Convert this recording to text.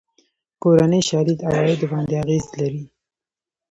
کورنۍ شالید عوایدو باندې اغېز لري.